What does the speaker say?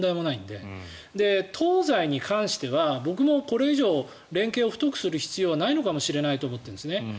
で、東西に関しては僕もこれ以上連携を太くする必要はないのかもしれないと思っているんですね。